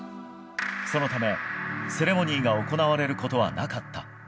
そのため、セレモニーが行われることはなかった。